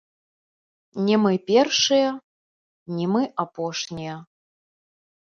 Не мы першыя, не мы апошнія.